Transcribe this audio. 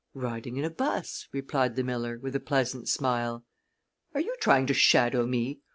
"Riding in a 'bus," replied the miller, with a pleasant smile. "Are you trying to shadow me?"